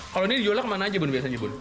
kalau ini dijualnya kemana aja bun biasanya bun